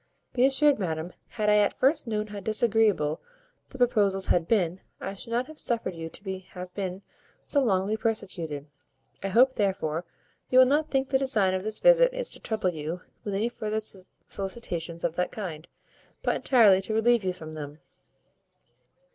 Be assured, madam, had I at first known how disagreeable the proposals had been, I should not have suffered you to have been so long persecuted. I hope, therefore, you will not think the design of this visit is to trouble you with any further solicitations of that kind, but entirely to relieve you from them."